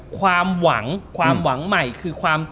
ความหวังความหวังใหม่คือความ